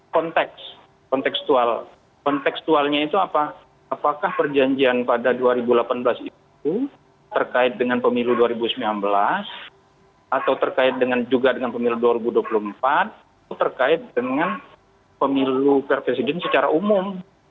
konteks konteksualnya itu apa apakah perjanjian pada dua ribu delapan belas itu terkait dengan pemilu dua ribu sembilan belas atau terkait dengan juga dengan pemilu dua ribu dua puluh empat itu terkait dengan pemilu presiden secara umum